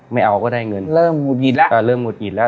ไม่เอาก็ได้เงินเริ่มหุดหงิดแล้วเริ่มหุดหงิดแล้ว